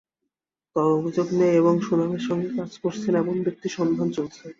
তবে অভিযোগ নেই এবং সুনামের সঙ্গে কাজ করছেন এমন ব্যক্তির সন্ধান চলছে।